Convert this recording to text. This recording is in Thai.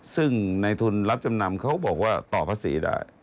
ซึ่งในทุนรับจำนำเขาบอกว่าต่อภาษีได้